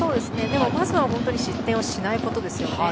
まずは失点をしないことですよね。